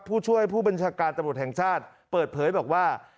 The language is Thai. ผู้ช่วยผู้บัญชาการตำรวจแห่งชาติเปิดเผยบอกว่า